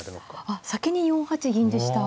あっ先に４八銀でした。